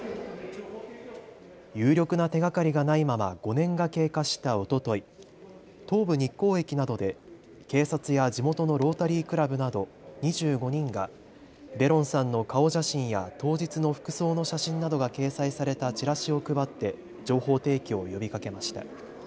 有力な手がかりがないまま５年が経過したおととい、東武日光駅などで警察や地元のロータリークラブなど２５人がベロンさんの顔写真や当日の服装の写真などが掲載されたチラシを配って情報提供を呼びかけました。